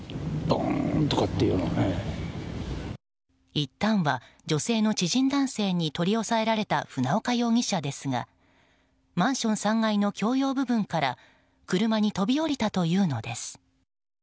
いったんは女性の知人男性に取り押さえられた船岡容疑者ですがマンション３階の共用部分から車に飛び降りたというのです。